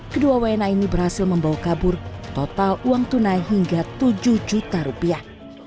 kedua wna ini berhasil membawa kabur total uang tunai hingga tujuh juta rupiah